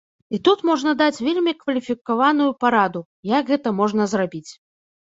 І тут можна даць вельмі кваліфікаваную параду, як гэта можна зрабіць.